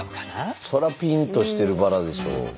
そらピンとしてるバラでしょう。